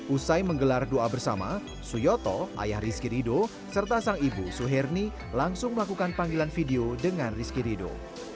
usai menggelar doa bersama suyoto ayah rizky rido serta sang ibu suherni langsung melakukan panggilan video dengan rizky rido